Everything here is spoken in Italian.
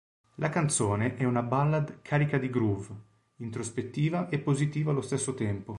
La canzone è una ballad carica di groove, introspettiva e positiva allo stesso tempo.